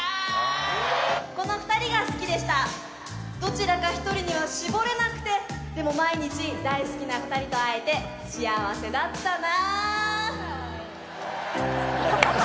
この２人が好きでした、どちらか１人には絞れなくてでも毎日、大好きな２人と会えて幸せだったな。